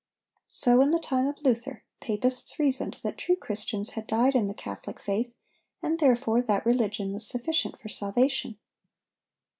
So, in the time of Luther, papists reasoned that true Christians had died in the Catholic faith, and therefore that religion was sufficient for salvation.